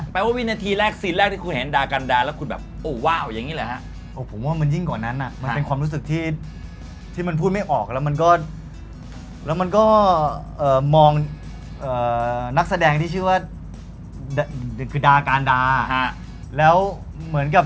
แปลว่าวินาทีแรกซีนแรกที่คุณเห็นดากันดาแล้วคุณแบบโอ้วว้าวอย่างนี้เหรอฮะ